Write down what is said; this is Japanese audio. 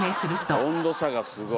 温度差がすごい。